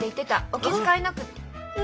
お気遣いなくって。